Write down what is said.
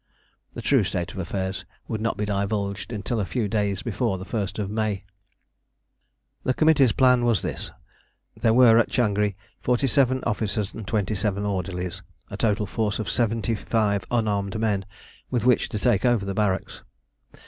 The true state of affairs would not be divulged until a few days before the first of May. The committee's plan was this. There were at Changri 47 officers and 28 orderlies a total force of 75 unarmed men with which to take over the barracks.